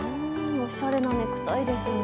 おしゃれなネクタイですよね。